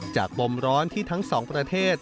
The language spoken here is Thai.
ปมร้อนที่ทั้งสองประเทศ